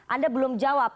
anda belum jawab